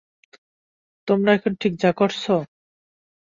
তোমরা এখন ঠিক যা করছো।